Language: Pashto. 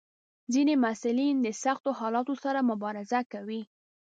ځینې محصلین د سختو حالاتو سره مبارزه کوي.